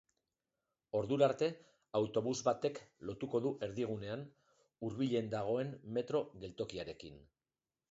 Ordurarte, autobus batek lotuko du erdigunean, hurbilen dagoen metro geltokiarekin.